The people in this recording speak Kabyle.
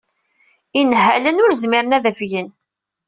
Inhalen ur zmiren ad afgen.